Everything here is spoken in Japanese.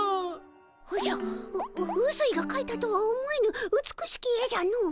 おじゃううすいがかいたとは思えぬ美しき絵じゃのう。